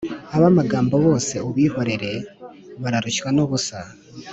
Abamagambo bose ubihorere bararushywa nubusa